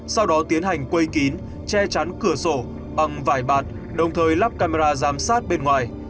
sau đó tiến hành quây kín che chắn cửa sổ bằng vải bạt đồng thời lắp camera giám sát bên ngoài